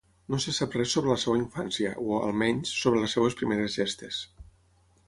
No se sap res sobre la seva infància o, almenys, sobre les seves primeres gestes.